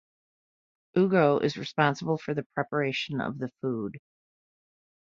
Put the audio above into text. Ugo is responsible for the preparation of the food.